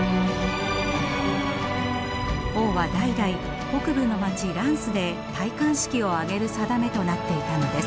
王は代々北部の街ランスで戴冠式を挙げる定めとなっていたのです。